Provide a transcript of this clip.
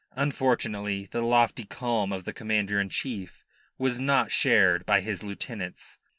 Unfortunately the lofty calm of the Commander in Chief was not shared by his lieutenants.